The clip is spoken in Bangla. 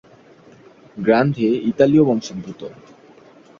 গ্রান্দে ইতালীয় বংশোদ্ভূত।